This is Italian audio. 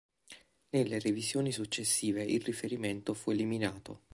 Nelle revisioni successive il riferimento fu eliminato.